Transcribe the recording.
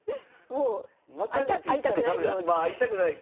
もう会いたくない。